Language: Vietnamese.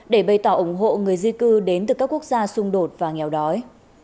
để bày tỏ ủng hộ người di cư đến từ các quốc gia xung đột và nghèo đói